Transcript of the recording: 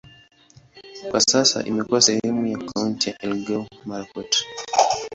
Kwa sasa imekuwa sehemu ya kaunti ya Elgeyo-Marakwet.